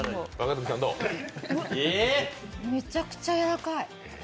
うわっ、めちゃくちゃやわらかい。